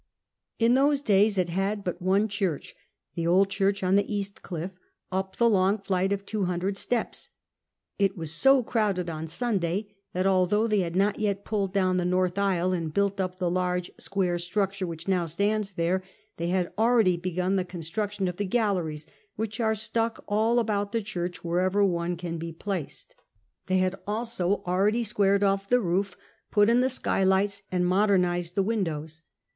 In those days it had but one church, the old church on the east cliff, up the long flight of two hundred steps. It was so crowded on Sunday that although they had not yet pulled down the north aisle and built up the large square structure which now stands there, they had already begun the construction of the galleries, which are stuck all about the church wherever one can be placed ; 20 CAPTAm COOK CHAP. they had also already squared off the roof, put in the skylights, and modernised the windo^Vs.